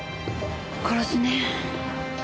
殺しね。